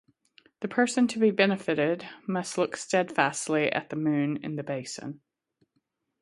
The person to be benefited must look steadfastly at the moon in the basin.